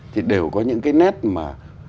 thì đều có những cái nét mà